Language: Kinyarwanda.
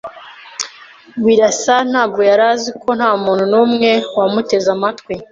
Birasa ntabwo yari azi ko ntamuntu numwe wamuteze amatwi.